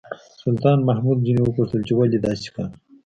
سلطان محمود ځنې وپوښتل چې ولې داسې کا.